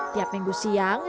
tiap minggu siang